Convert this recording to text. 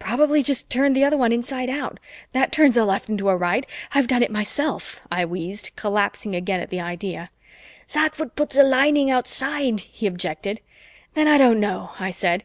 "Probably just turned the other one inside out that turns a left into a right I've done it myself," I wheezed, collapsing again at the idea. "That would put the lining outside," he objected. "Then I don't know," I said.